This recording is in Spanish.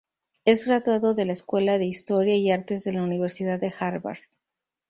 Es graduado de la Escuela de Historia y Artes de la Universidad de Harvard.